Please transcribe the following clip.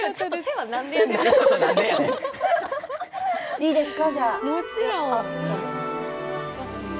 いいですよ。